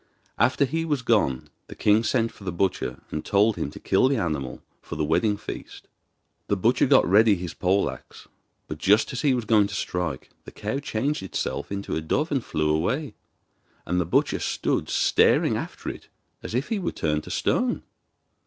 After he was gone the king sent for the butcher and told him to kill the animal for the wedding feast. The butcher got ready his pole axe; but just as he was going to strike, the cow changed itself into a dove and flew away, and the butcher stood staring after it as if he were turned to stone.